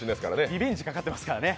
リベンジかかってますからね。